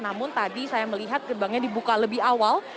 namun tadi saya melihat gerbangnya dibuka lebih awal